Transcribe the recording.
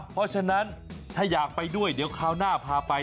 เพราะฉะนั้นถ้าอยากไปด้วยเดี๋ยวคราวหน้าพาไป